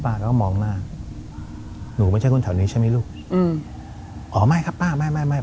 เราก็มองหน้าหนูไม่ใช่คนแถวนี้ใช่ไหมลูกอืมอ๋อไม่ครับป้าไม่ไม่ไม่